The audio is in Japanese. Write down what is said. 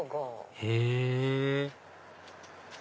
へぇ